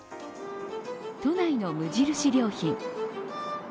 都内の無印良品。